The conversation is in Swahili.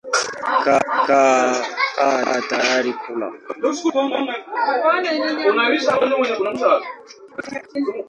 Kaa tayari kula.